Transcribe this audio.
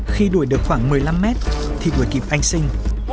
khi đuổi được khoảng một mươi năm mét thì đuổi kịp anh sinh